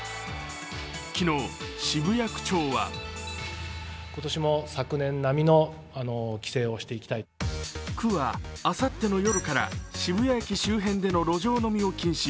昨日、渋谷区長は区は、あさっての夜から渋谷駅周辺での路上飲みを禁止。